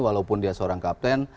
walaupun dia seorang kapten